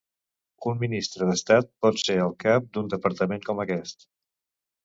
Un ministre d'estat pot ser el cap d'un departament com aquest.